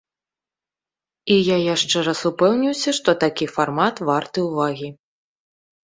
І я яшчэ раз упэўніўся, што такі фармат варты ўвагі.